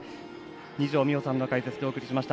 二條実穂さんの解説でお伝えしました。